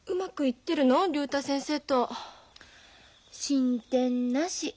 進展なし！